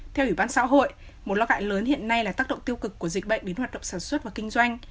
theo ủy ban xã hội một lo ngại lớn hiện nay là tác động tiêu cực của dịch bệnh đến hoạt động sản xuất và kinh doanh